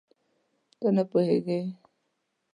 ته نه پوهېږې؟